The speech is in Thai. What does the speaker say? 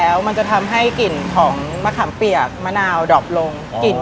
ก๋วยเตี๋ยวต้มยำโปรหลาดนะครับ